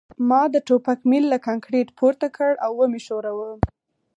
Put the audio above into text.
ما د ټوپک میل له کانکریټ پورته کړ او ومې ښوراوه